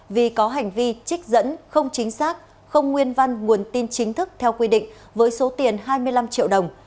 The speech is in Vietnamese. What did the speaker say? vì có hành vi trích dẫn không chính xác không nguyên văn nguồn tin chính thức theo quy định với số tiền hai mươi năm triệu đồng